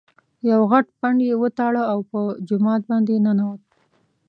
یو غټ پنډ یې وتاړه او په جومات باندې ننوت.